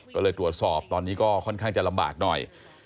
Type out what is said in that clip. ก็เลยตรวจสอบตอนนี้ก็ค่อนข้างจะลำบากหน่อย